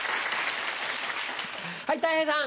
はいたい平さん。